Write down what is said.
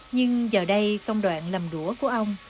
nhưng giờ đây công đoạn làm đũa của ông